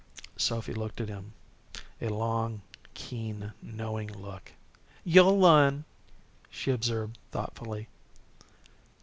Sophy looked at him a long, keen, knowing look. "You'll learn," she observed, thoughtfully.